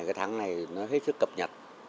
cái tháng này nó hết sức cập nhật